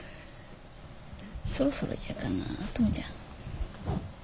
そろそろ嫌かなトムちゃん。